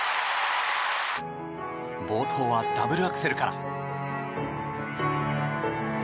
冒頭はダブルアクセルから。